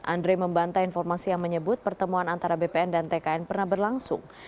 andre membantai informasi yang menyebut pertemuan antara bpn dan tkn pernah berlangsung